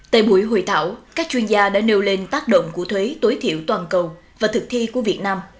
tại buổi hội thảo các chuyên gia đã nêu lên tác động của thuế tối thiểu toàn cầu và thực thi của việt nam